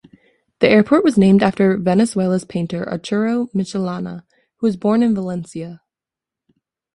The airport was named after Venezuela's painter Arturo Michelena, who was born in Valencia.